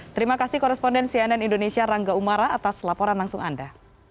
terima kasih korespondensi ann indonesia rangga umara atas laporan langsung anda